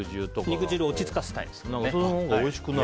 肉汁を落ち着かせるんですね。